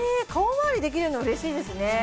顔まわりできるの嬉しいですね